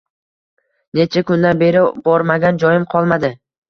Necha kundan beri bormagan joyim qolmadi